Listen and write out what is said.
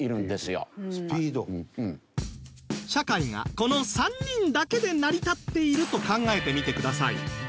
社会がこの３人だけで成り立っていると考えてみてください